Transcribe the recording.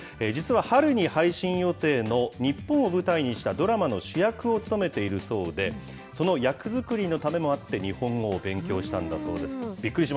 実は春に配信予定の日本を舞台にしたドラマの主役を務めているそうで、その役作りのためもあって、日本語を勉強したんだそうです。